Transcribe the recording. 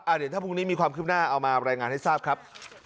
เดี๋ยวถ้าพรุ่งนี้มีความคืบหน้าเอามารายงานให้ทราบครับ